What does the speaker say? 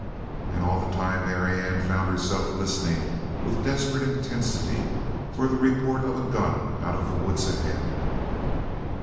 And all the time Marianne found herself listening with desperate intensity for the report of a gun out of the woods ahead!